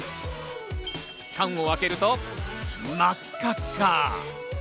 缶を開けると、真っ赤っか。